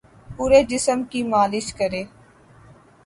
پورے جسم کی مالش کریں